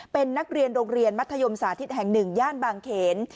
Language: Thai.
เป็นนักเรียนโรงเรียนมัธยมสาธิตแห่ง๑ย่านบางเขน